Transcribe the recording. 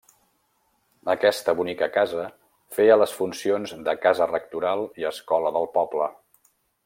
Aquesta bonica casa feia les funcions de casa rectoral i escola del poble.